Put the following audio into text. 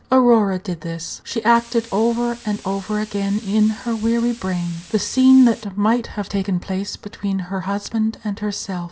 Aurora did this. She acted over and over again in her weary brain the scene that might have taken place between her husband and herself.